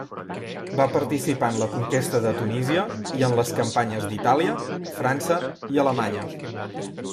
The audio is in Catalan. Va participar en la conquesta de Tunísia i en les campanyes d'Itàlia, França i Alemanya.